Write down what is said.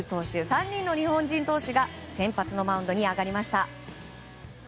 ３人の日本人投手が先発のマウンドに上がりました。